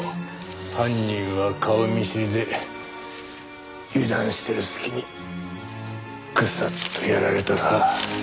犯人は顔見知りで油断してる隙にグサッとやられたか。